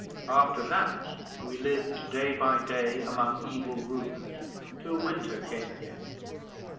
After that, we lived day by day among evil rumours till winter came again.